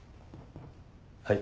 はい。